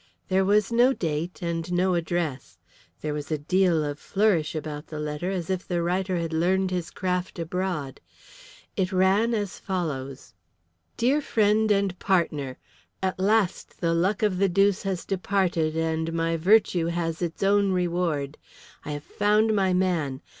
There was no date and no address. There was a deal of flourish about the letter as if the writer had learned his craft abroad. It ran as follows: Dear Friend And Partner, At last the luck of the deuce has departed and my virtue has its own reward. I have found my man.